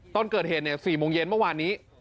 ตอนเกิดเหตุ๔โมงเย็นเมื่อวานนี้